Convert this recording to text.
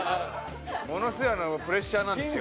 ものすごいプレッシャーなんですよ。